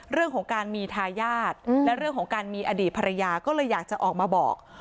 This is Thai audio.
เรื่องของการมีทายาทและเรื่องของการมีอดีตภรรยาก็เลยอยากจะออกมาบอก